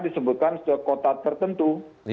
disebutkan sekota tertentu